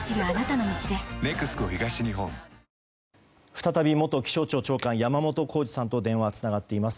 再び元気象庁長官山本孝二さんと電話がつながっています。